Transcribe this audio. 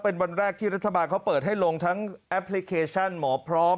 เป็นวันแรกที่รัฐบาลเขาเปิดให้ลงทั้งแอปพลิเคชันหมอพร้อม